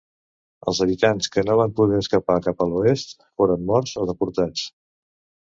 Els habitants que no van poder escapar cap a l'oest foren morts o deportats.